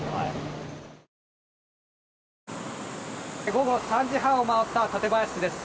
午後３時半を回った館林市です。